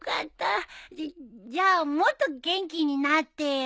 じじゃあもっと元気になってよ。